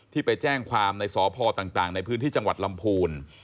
ไปแจ้งความในสพต่างในพื้นที่จังหวัดลำพูน